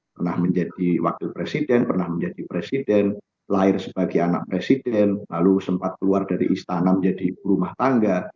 pernah menjadi wakil presiden pernah menjadi presiden lahir sebagai anak presiden lalu sempat keluar dari istana menjadi ibu rumah tangga